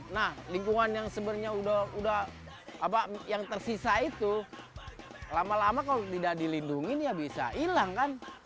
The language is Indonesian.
nah lingkungan yang sebenarnya udah yang tersisa itu lama lama kalau tidak dilindungi ya bisa hilang kan